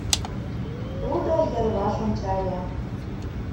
Тудо йырваш ончале.